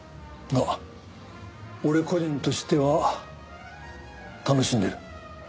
が俺個人としては楽しんでる。